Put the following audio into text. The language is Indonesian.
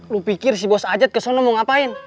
lu pikir si bos ajat kesana mau ngapain